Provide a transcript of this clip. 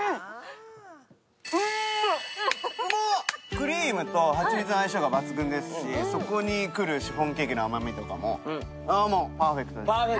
クリームとハチミツの相性が抜群ですしそこに来るシフォンケーキの甘みとかもパーフェクトです。